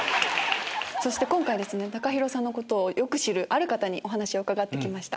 今回ＴＡＫＡＨＩＲＯさんのことをよく知るある方にお話を伺ってきました。